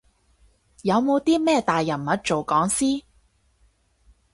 有冇啲咩大人物做講師？